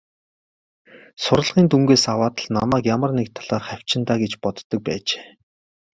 Сурлагын дүнгээс аваад л намайг ямар нэг талаар хавчина даа гэж боддог байжээ.